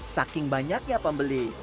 saking banyak ya pembeli